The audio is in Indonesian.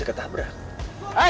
jalan terus nih boy